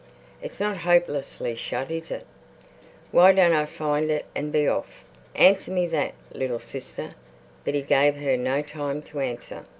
It's not hopelessly shut—is it? Why don't I find it and be off? Answer me that, little sister." But he gave her no time to answer.